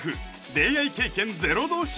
恋愛経験ゼロ同士